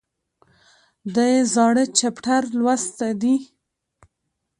د زاړه چپټر لوسته دي